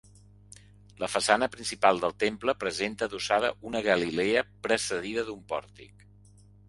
La façana principal del temple presenta adossada una galilea precedida d'un pòrtic.